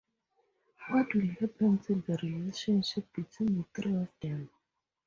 What will happen to the relationship between the three of them?